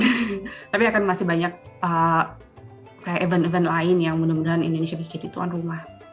tapi akan masih banyak kayak event event lain yang mudah mudahan indonesia bisa jadi tuan rumah